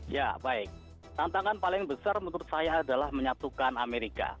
ya baik tantangan paling besar menurut saya adalah menyatukan amerika